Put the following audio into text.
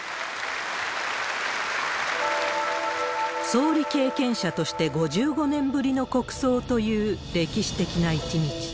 総理経験者として５５年ぶりの国葬という歴史的な一日。